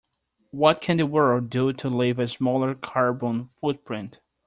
What can the world do to leave a smaller carbon footprint?